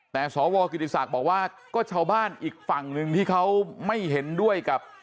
แต่สวกิติศักดิ์บอกว่าก็ชาวบ้านอีกฝั่งหนึ่งที่เขาไม่เห็นด้วยกับ